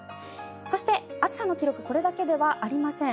そして、暑さの記録これだけではありません。